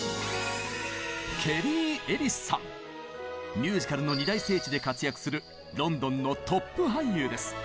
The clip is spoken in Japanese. ミュージカルの二大聖地で活躍するロンドンのトップ俳優です。